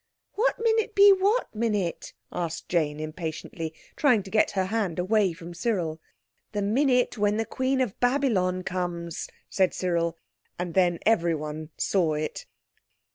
"What minute be what minute?" asked Jane impatiently, trying to get her hand away from Cyril. "The minute when the Queen of Babylon comes," said Cyril. And then everyone saw it.